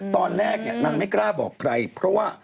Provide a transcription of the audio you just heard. ตอนแรกนางไม่กล้าบอกใครเพราะว่า